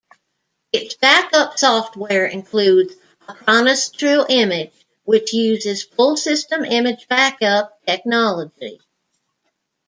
Its backup software includes Acronis True Image which uses full-system image backup technology.